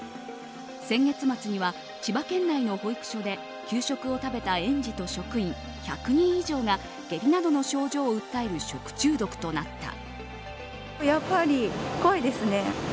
先月末には、千葉県内の保育所で給食を食べた園児と職員１００人以上が下痢などの症状を訴える食中毒となった。